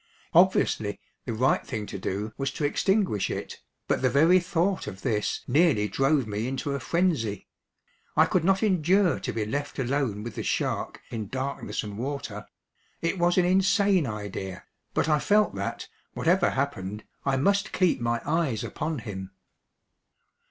Obviously, the right thing to do was to extinguish it, but the very thought of this nearly drove me into a frenzy. I could not endure to be left alone with the shark in darkness and water. It was an insane idea, but I felt that, whatever happened, I must keep my eyes upon him.